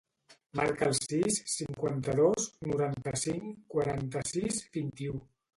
Marca el sis, cinquanta-dos, noranta-cinc, quaranta-sis, vint-i-u.